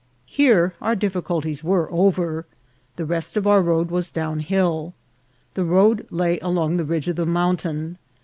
Here our dif ficulties were over ; the rest of our road was down hill. The road lay along the ridge of the mountain.